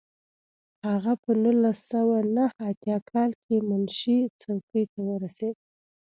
هغه په نولس سوه نهه اتیا کال کې منشي څوکۍ ته ورسېد.